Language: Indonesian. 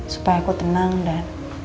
supaya aku tenang dan